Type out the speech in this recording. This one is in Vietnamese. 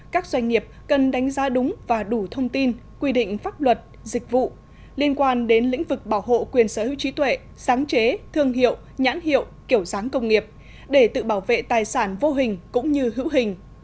các doanh nghiệp cần đánh giá đúng và đủ thông tin quy định pháp luật dịch vụ liên quan đến lĩnh vực bảo hộ quyền sở hữu trí tuệ sáng chế thương hiệu nhãn hiệu kiểu sáng công nghiệp để tự bảo vệ tài sản vô hình cũng như hữu hình